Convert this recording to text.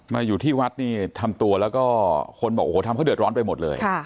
มาอยู่ที่วัดนี่ทำตัวแล้วก็คนบอกโอ้โหทำเขาเดือดร้อนไปหมดเลย